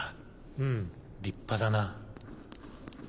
うん立派だな。